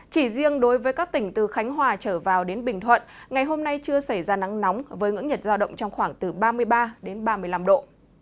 chỉ riêng đối với các tỉnh từ khánh hòa trở vào đến bình thuận ngày hôm nay chưa xảy ra nắng nóng với ngưỡng nhiệt giao động trong khoảng từ ba mươi ba đến ba mươi năm độ